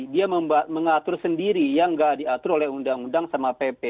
dia mengatur sendiri yang nggak diatur oleh undang undang sama pp